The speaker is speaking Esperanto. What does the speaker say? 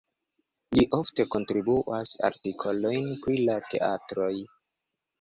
Li ofte kontribuas artikolojn pri la teatroj.